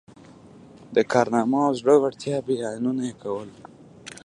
د کارنامو او زړه ورتیا بیانونه یې کول.